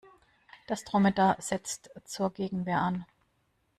Das Dromedar setzt zur Gegenwehr an.